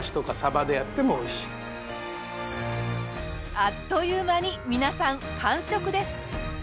あっという間に皆さん完食です！